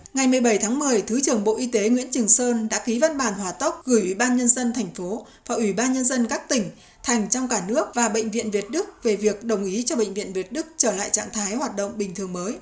ngày một mươi bảy tháng một mươi thứ trưởng bộ y tế nguyễn trường sơn đã ký văn bản hòa tốc gửi ủy ban nhân dân thành phố và ủy ban nhân dân các tỉnh thành trong cả nước và bệnh viện việt đức về việc đồng ý cho bệnh viện việt đức trở lại trạng thái hoạt động bình thường mới